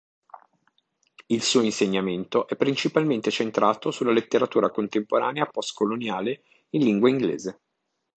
Il suo insegnamento è principalmente centrato sulla Letteratura Contemporanea Post-coloniale in lingua inglese.